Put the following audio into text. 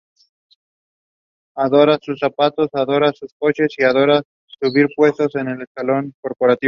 Adora sus zapatos, adora sus coches y adora subir puestos en el escalafón corporativo.